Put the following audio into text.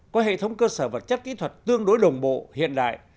có hệ thống cơ sở vật chất kỹ thuật tương đối đồng bộ hiện đại